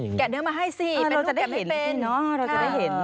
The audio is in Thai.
แกะเนื้อมาให้สิเราจะได้เห็น